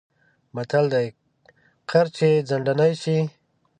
متل دی: قرض چې ځنډنی شی...